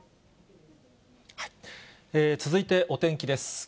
続いて、お天気です。